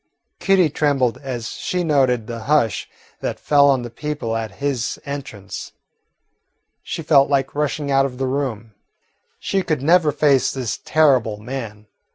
Kitty trembled as she noted the hush that fell on the people at his entrance. She felt like rushing out of the room. She could never face this terrible man.